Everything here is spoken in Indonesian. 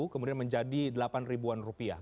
kemudian menjadi rp delapan